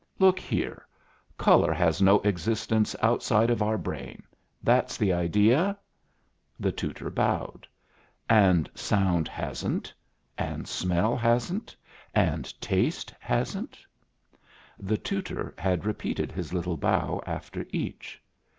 "Look here. Color has no existence outside of our brain that's the idea?" The tutor bowed. "And sound hasn't? and smell hasn't? and taste hasn't?" The tutor had repeated his little bow after each.